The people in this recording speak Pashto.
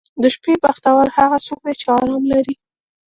• د شپې بختور هغه څوک دی چې آرام لري.